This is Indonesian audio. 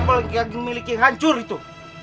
kapal kapal yang gagem miliki hancur itu